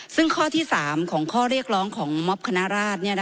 ซึ่งข้อที่๓ของข้อเรียกร้องของม็อบคณราช